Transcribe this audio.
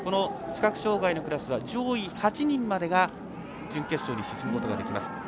視覚障がいのクラスは上位８人までが準決勝に進むことができます。